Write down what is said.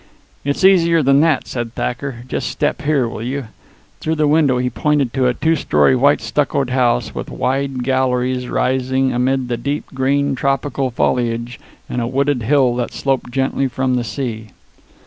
"It's easier than that," said Thacker. "Just step here, will you?" Through the window he pointed to a two story white stuccoed house with wide galleries rising amid the deep green tropical foliage on a wooded hill that sloped gently from the sea.